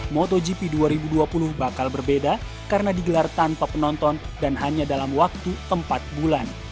motogp dua ribu dua puluh bakal berbeda karena digelar tanpa penonton dan hanya dalam waktu empat bulan